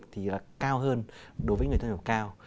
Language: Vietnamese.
thì là cao hơn đối với những người thu nhập cao